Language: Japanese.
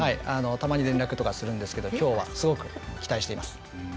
たまに連絡するんですけど今日はすごく期待しています。